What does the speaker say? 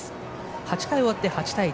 ８回終わって８対１。